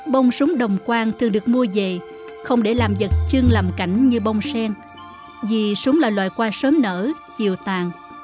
bông súng đồng quang thường được mua về không để làm vật chương làm cảnh như bông sen vì súng là loại quang sớm nở chiều tàn